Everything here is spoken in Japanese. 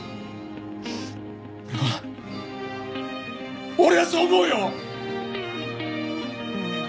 俺は俺はそう思うよ！